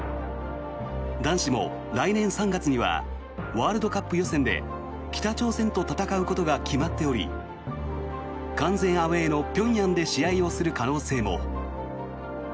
男子も来年３月にはワールドカップ予選で北朝鮮と戦うことが決まっており完全アウェーの平壌で試合をする可能性も。